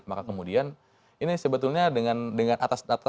maka kemudian ini sebetulnya dengan atas data